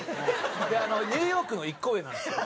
でニューヨークの１個上なんですよ。